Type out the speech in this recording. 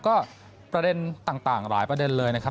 ก็ประเด็นต่างหลายประเด็นเลยนะครับ